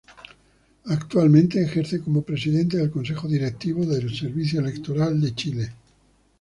Actualmente ejerce como presidente del Consejo Directivo del Servicio Electoral de Chile.